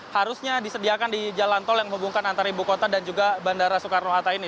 harusnya disediakan di jalan tol yang menghubungkan antara ibu kota dan juga bandara soekarno hatta ini